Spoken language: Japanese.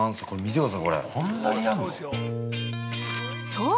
◆そう！